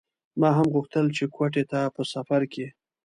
ما هم غوښتل چې کوټې ته په سفر کې.